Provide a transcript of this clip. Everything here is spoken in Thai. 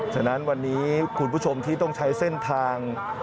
ฉะนั้นวันนี้คุณผู้ชมที่ต้องใช้เส้นทาง